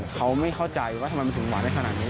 เขาไม่เข้าใจว่าทำไมมันถึงหวานได้ขนาดนี้